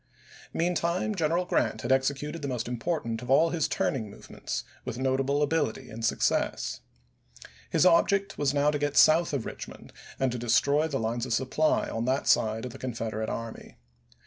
Meantime General Grant had executed the most important of all his turning movements with notable ability and success. His object was now to get south of Richmond and to destroy the lines of supply on that side of the Confederate army.